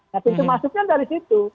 nah pintu masuknya dari situ